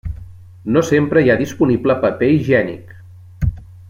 No sempre hi ha disponible paper higiènic.